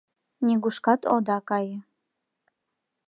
— Нигушкат ода кае.